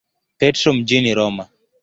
Petro mjini Roma.